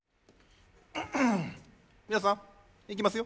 みなさんいきますよ。